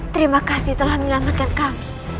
terima kasih telah menyelamatkan kami